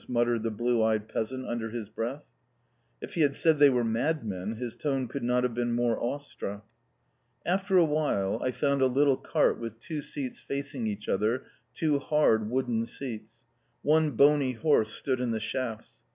muttered the blue eyed peasant under his breath. If he had said they were madmen his tone could not have been more awestruck. After a while I found a little cart with two seats facing each other, two hard wooden seats. One bony horse stood in the shafts.